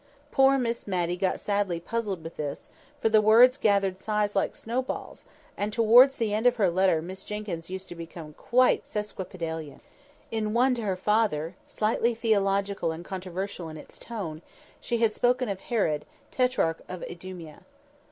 Poor Miss Matty got sadly puzzled with this, for the words gathered size like snowballs, and towards the end of her letter Miss Jenkyns used to become quite sesquipedalian. In one to her father, slightly theological and controversial in its tone, she had spoken of Herod, Tetrarch of Idumea.